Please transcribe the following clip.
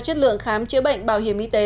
chất lượng khám chữa bệnh bảo hiểm y tế